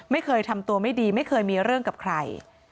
ไม่เคยทำตัวไม่ดีไม่เคยมีเรื่องกับใคร